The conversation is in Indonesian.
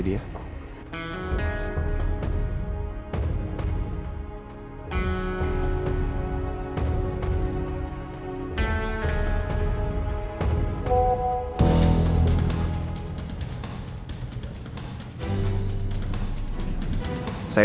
tidak ada apa apa